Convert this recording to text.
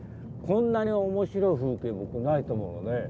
こんなに面白い風景僕ないと思うのね。